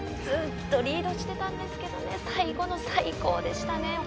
ずっとリードしてたんですけど最後の最後でしたね。